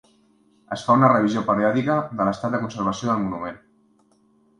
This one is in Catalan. Es fa una revisió periòdica de l'estat de conservació del monument.